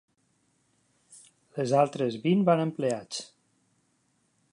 Les altres vint van a empleats.